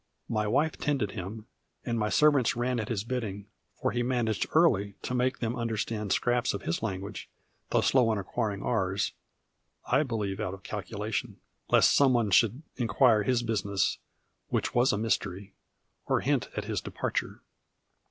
My wife tended him, and my servants ran at his bidding; for he managed early to make them understand scraps of his language, though slow in acquiring ours I believe out of calculation, lest someone should inquire his business (which was a mystery) or hint at his departure.